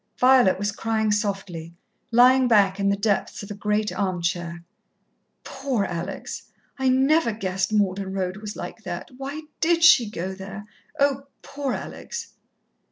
Violet was crying softly, lying back in the depths of a great arm chair. "Poor Alex! I never guessed Malden Road was like that. Why did she go there? Oh, poor Alex!"